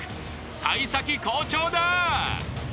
幸先好調だ］